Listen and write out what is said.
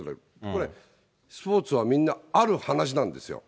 これ、スポーツはみんなある話なんですよ。